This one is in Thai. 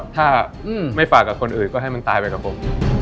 ถ้าไม่ฝากกับคนอื่นก็ให้มันตายไปกับผม